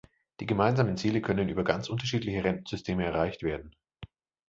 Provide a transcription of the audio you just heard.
Die gemeinsamen Ziele können über ganz unterschiedliche Rentensysteme erreicht werden.